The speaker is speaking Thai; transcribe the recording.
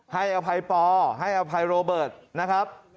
ให้อภัยปอให้อภัยโรเบิร์ตนะครับ